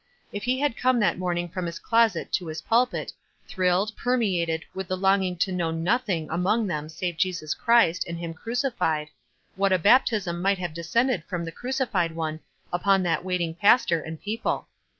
If he had come that morn ing from his closet to his pulpit, thrilled, per 20 WISE AXD OTHERWISE. located, with the longing to know nothing among them save Jesus Christ, and him cruci fied, what a baptism might have descended from the Crucified One upon that waiting pastor and people.